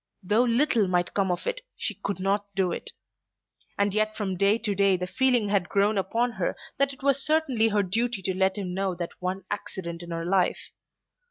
Though little might come of it, she could not do it. And yet from day to day the feeling had grown upon her that it was certainly her duty to let him know that one accident in her life.